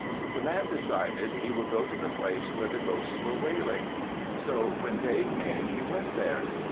The man decided he would go to the place where the ghosts were wailing. So when day came, he went there.